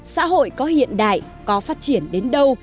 xã hội có hiện đại có phát triển đến đâu